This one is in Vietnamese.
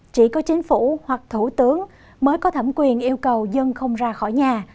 chỉ có chính phủ hoặc thủ tướng mới có thẩm quyền yêu cầu dân không ra khỏi nhà